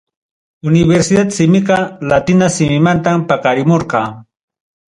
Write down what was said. Universidad simiqa, latina simimantam paqarimurqa.